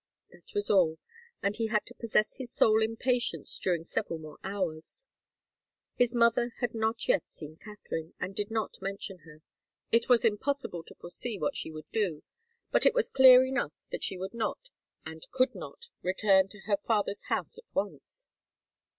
That was all, and he had to possess his soul in patience during several hours more. His mother had not yet seen Katharine, and did not mention her. It was impossible to foresee what she would do, but it was clear enough that she would not, and could not, return to her father's house at once.